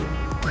kau udah ngerti